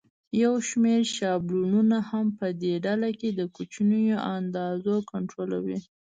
یو شمېر شابلونونه هم په دې ډله کې د کوچنیو اندازو کنټرولوي.